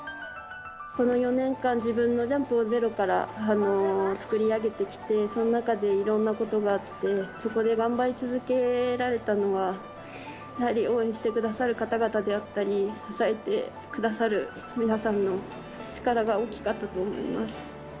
この４年間、自分のジャンプをゼロから作り上げてきて、その中でいろんなことがあって、そこで頑張り続けられたのは、やはり応援してくださる方々であったり、支えてくださる皆さんの力が大きかったと思います。